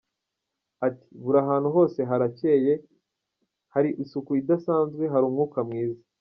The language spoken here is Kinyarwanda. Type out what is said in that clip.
Ati “ Buri hantu hose harakeye, hari isukuidasanzwe, hari umwuka mwiza.